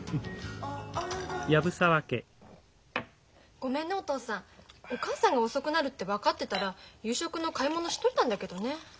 ごめんねお父さんお母さんが遅くなるって分かってたら夕食の買い物しといたんだけどね。